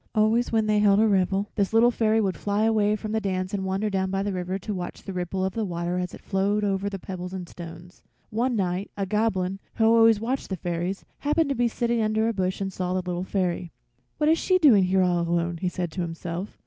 Always when they held a revel this Little Fairy would fly away from the dance and wander down by the river to watch the ripple of the water as it flowed over the pebbles and stones. One night a Goblin, who always watched the fairies, happened to be sitting under a bush and saw the Little Fairy. "What is she doing here all alone?" he said to himself.